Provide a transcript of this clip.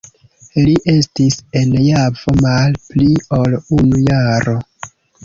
Li estis en Javo mal pli ol unu jaro.